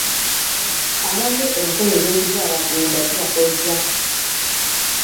abamu enkola z'ekizaala ggumba zibakkozza.